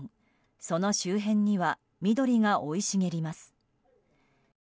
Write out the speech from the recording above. その周辺には緑が生い茂ります。